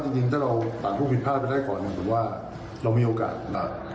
จริงจริงถ้าเราต่างพวกผิดพลาดไปได้ก่อนหรือว่าเรามีโอกาสนะครับ